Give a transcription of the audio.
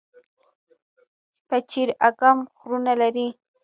پچیر اګام غرونه لري؟